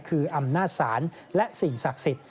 คืออำนาจศาลและสิ่งศักดิ์สิทธิ